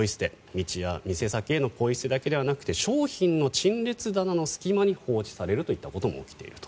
道や店先へのポイ捨てだけではなくて商品の陳列棚の隙間に放置されるといったことも起きていると。